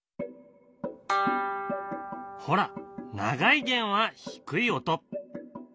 ほら長い弦は低い音。